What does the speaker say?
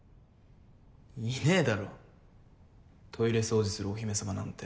いねぇだろトイレ掃除するお姫様なんて。